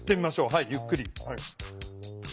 はいゆっくり。